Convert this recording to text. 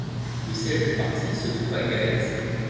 Le siège du parti se trouve à Gaète.